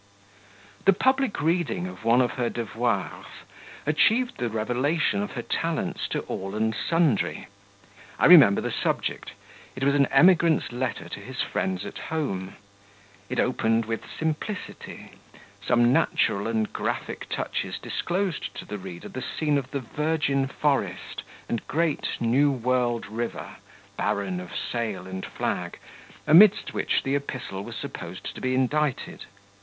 The public reading of one of her devoirs achieved the revelation of her talents to all and sundry; I remember the subject it was an emigrant's letter to his friends at home. It opened with simplicity; some natural and graphic touches disclosed to the reader the scene of virgin forest and great, New World river barren of sail and flag amidst which the epistle was supposed to be indited.